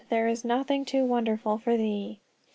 there is nothing too wonderful for thee" (Jer.